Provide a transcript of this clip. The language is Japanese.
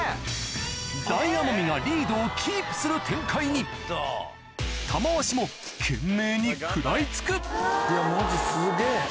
大奄美がリードをキープする展開に玉鷲も懸命に食らいつくマジすげぇ。